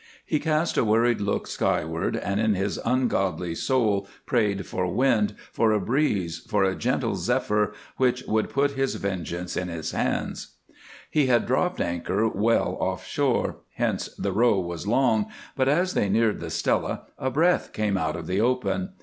He cast a worried look skyward, and in his ungodly soul prayed for wind, for a breeze, for a gentle zephyr which would put his vengeance in his hands. He had dropped anchor well offshore, hence the row was long, but as they neared the Stella a breath came out of the open.